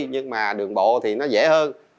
nhưng mà đường bộ thì nó dễ hơn